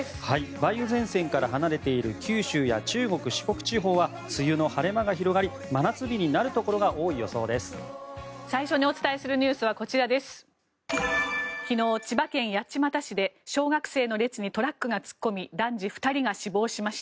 梅雨前線から離れている九州や中国・四国地方は梅雨の晴れ間が広がり真夏日になるところが多い予想です。